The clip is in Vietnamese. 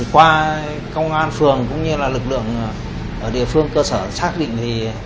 qua công an phường cũng như là lực lượng ở địa phương cơ sở xác định thì